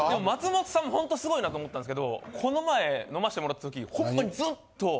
松本さんもほんとすごいなと思ったんですけどこの前飲ましてもらった時ほんまにずっと。